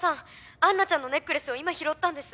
アンナちゃんのネックレスを今拾ったんです！